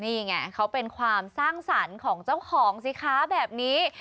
นี่ไงเขาเป็นความสร้างสรรค์ของเจ้าของสิคะแบบนี้